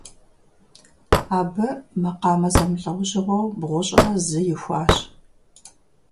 Абы макъамэ зэмылӀэужьыгъуэу бгъущӏрэ зы ихуащ.